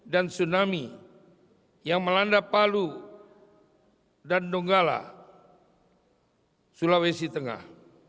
dan tsunami yang melanda palu dan nonggala sulawesi tengah